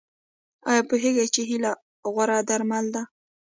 ایا پوهیږئ چې هیله غوره درمل ده؟